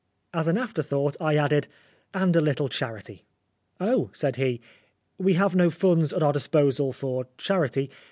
As an after thought I added, "and a little charity." "Oh," said he, "we have no funds at our disposal for charity.